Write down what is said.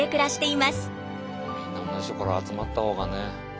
みんな同じ所集まったほうがね。